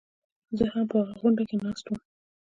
زه هم په هغه غونډه کې ناست وم.